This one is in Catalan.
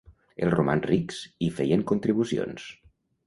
Els romans rics hi feien contribucions.